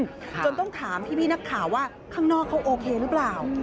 จนต้องถามพี่พี่นักข่าวว่าข้างนอกเขาโอเคหรือเปล่า